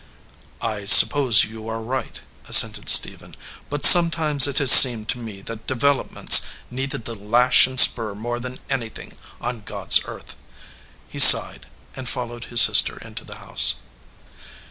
"I suppose you are right," assented Stephen, "but sometimes it has seemed to me that develop ments needed the lash and spur more than any thing on God s earth." He sighed, and followed his sister into the house.